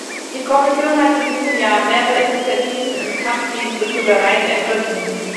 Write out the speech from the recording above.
Die Kommission hat in diesem Jahr mehrere Initiativen im Kampf gegen Betrügereien ergriffen.